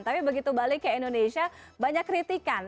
tapi begitu balik ke indonesia banyak kritikan